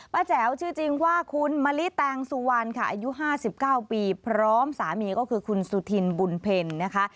แจ๋วชื่อจริงว่าคุณมะลิแตงสุวรรณค่ะอายุ๕๙ปีพร้อมสามีก็คือคุณสุธินบุญเพ็ญนะคะ